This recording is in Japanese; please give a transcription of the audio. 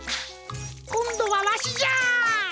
こんどはわしじゃ！